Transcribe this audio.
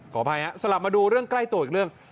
ขออภัยครับสลับมาดูเรื่องใกล้ตัวอีกเรื่อง